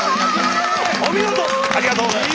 ありがとうございます。